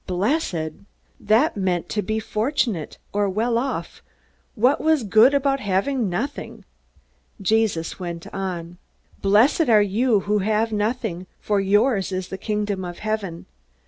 "Blessed" that meant to be fortunate, or well off. What was good about having nothing? Jesus went on: "Blessed are you who have nothing, for yours is the kingdom of heaven.